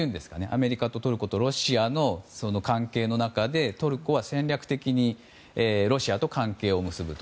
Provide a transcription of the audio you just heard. アメリカとトルコとロシアの関係の中でトルコは戦略的にロシアと関係を結ぶ。